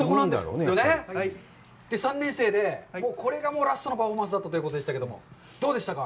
３年生で、これがラストのパフォーマンスだったということでしたが、どうでしたか？